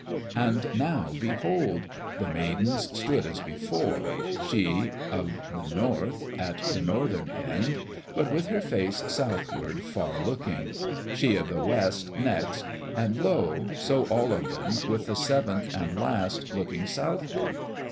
And now, behold! The Maidens stood as before, she of the North at the northern end, but with her face southward far looking; she of the West, next, and lo! so all of them, with the seventh and last, looking southward.